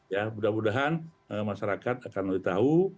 ya mudah mudahan masyarakat akan lebih tahu